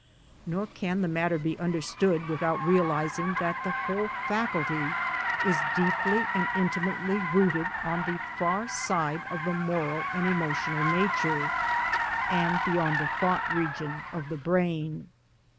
Nor can the matter be understood without realising that the whole faculty is deeply and intimately rooted on the far side of the moral and emotional nature, and beyond the thought region of the brain.